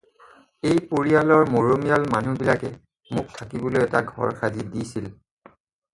"এই পৰিলায়ৰ মৰমিয়াল মানুহ বিলাকে মোক থাকিবলৈ এটা ঘৰ সাজি দিছে।"